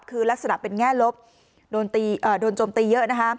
คือลักษณะเป็นแง่ลบโดนโจมตีเยอะนะคะ